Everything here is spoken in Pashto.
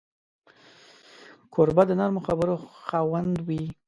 کوربه د نرمو خبرو خاوند وي.